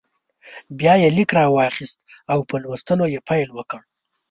بیا یې لیک راواخیست او په لوستلو یې پیل وکړ.